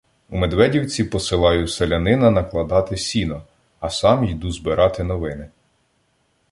У Медведівці посилаю селянина накладати сіно, а сам йду збирати новини.